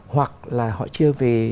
hoặc là họ chưa về